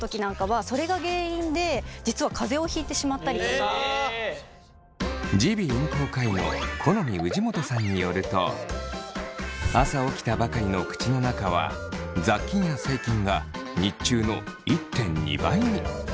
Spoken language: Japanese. でそうするとあのちょっと耳鼻咽喉科医の許斐氏元さんによると朝起きたばかりの口の中は雑菌や細菌が日中の１．２倍に。